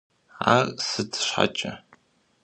Ар сыт щхьэкӀэ?